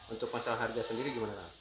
untuk masalah harga sendiri gimana pak